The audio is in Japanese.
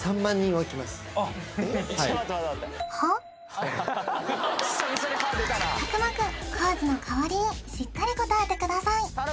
はい佐久間くん康二のかわりにしっかり答えてください